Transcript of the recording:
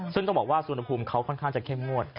ซึ่งต้องบอกว่าสุวรรณภูมิเขาค่อนข้างจะเข้มงวด